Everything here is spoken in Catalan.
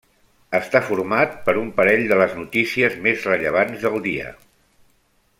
Està format per un parell de les notícies més rellevants del dia.